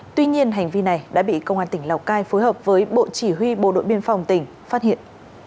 tuy nhiên hành vi này đã bị công an tỉnh lào cai phối hợp với bộ chỉ huy bộ đội biên phòng tỉnh phát hiện